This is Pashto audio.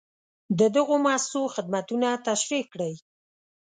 د دغو مؤسسو خدمتونه تشریح کړئ.